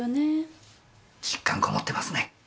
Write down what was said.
実感こもってますね。